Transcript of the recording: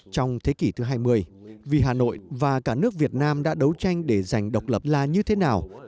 trong thế kỷ thứ hai mươi vì hà nội và cả nước việt nam đã đấu tranh để giành độc lập là như thế nào